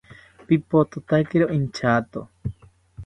Pipothotakiro inchato